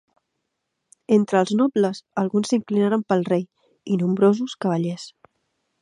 Entre els nobles, alguns s'inclinaren pel rei, i nombrosos cavallers.